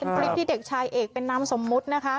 เป็นคลิปที่เด็กชายเอกเป็นนามสมมุตินะคะ